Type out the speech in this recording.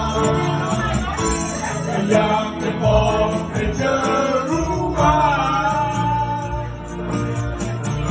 แต่อยากให้บอกใครจะรู้ว่า